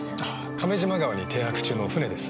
亀島川に停泊中の船です。